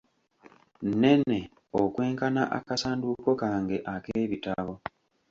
nnene okwenkana akasanduuko kange ak’ebitabo.